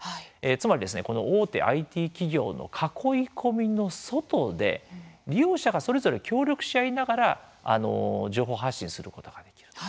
つまり、この大手ＩＴ企業の囲い込みの外で利用者がそれぞれ協力し合いながら情報発信することができる。